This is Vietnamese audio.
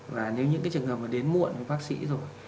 và nếu những trường hợp đến muộn với bác sĩ rồi